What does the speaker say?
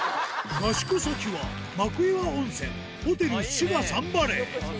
合宿先は、幕岩温泉ホテル志賀サンバレー。